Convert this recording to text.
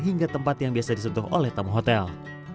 hingga tempat yang biasa disentuh oleh tamu hotel